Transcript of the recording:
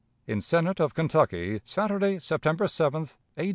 "In Senate of Kentucky, Saturday, September 7, A.